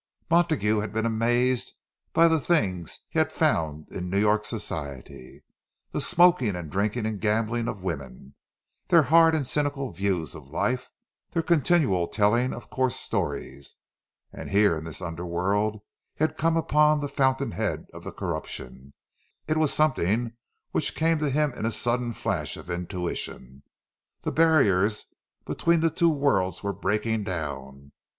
Montague had been amazed by the things he had found in New York Society; the smoking and drinking and gambling of women, their hard and cynical views of life, their continual telling of coarse stories. And here, in this under world, he had come upon the fountain head of the corruption. It was something which came to him in a sudden flash of intuition;—the barriers between the two worlds were breaking down!